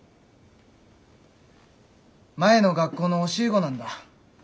前の学校の教え子なんだ。